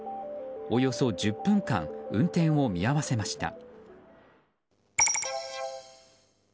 およそ１０分間運転を見合わせました。